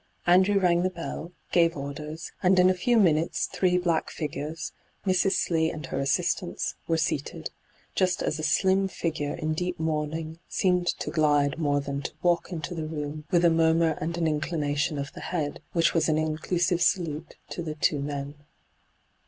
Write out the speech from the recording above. Andrew rang the bell, gave orders, and in a few minutes three black figures, Mrs. Slee and her assistants, were seated, just as a slim figure in deep mourning seemed to glide more than to walk into the room, with a murmur and an inclination of the head, which was an inclusive salute to the two men.